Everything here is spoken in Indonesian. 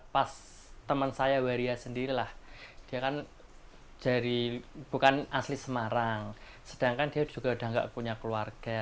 pas teman saya waria sendiri bukan asli semarang sedangkan dia juga sudah tidak punya keluarga